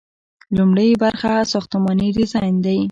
لومړی برخه ساختماني ډیزاین دی.